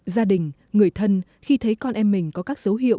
gia đình người thân khi thấy con em mình có các dấu hiệu